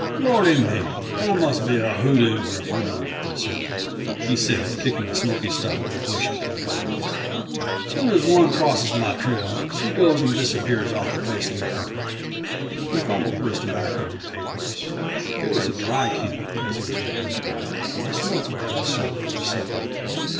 "Lordy me! I must be a hoodoo, where women are concerned," he said, kicking the smoking stub of a bush into the blaze. "Soon as one crosses my trail, she goes and disappears off the face of the earth!" He fumbled for his tobacco and papers. It was a "dry camp" he was making that night, and a smoke would have to serve for a supper.